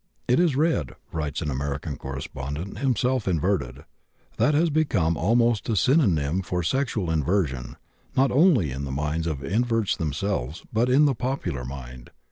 "It is red," writes an American correspondent, himself inverted, "that has become almost a synonym for sexual inversion, not only in the minds of inverts themselves, but in the popular mind.